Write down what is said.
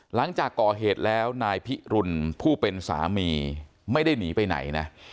หลังจากก่อเหตุแล้วนายพิรุณผู้เป็นสามีไม่ได้หนีไปไหนนะ